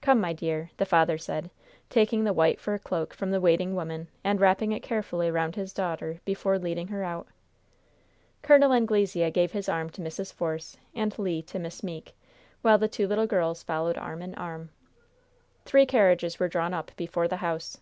"Come, my dear," the father said, taking the white fur cloak from the waiting woman and wrapping it carefully around his daughter before leading her out. Col. Anglesea gave his arm to Mrs. Force, and Le to Miss Meeke, while the two little girls followed arm in arm. Three carriages were drawn up before the house.